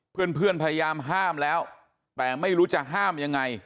เพื่อนพยายามห้ามแล้วแต่ไม่รู้จะห้ามยังไง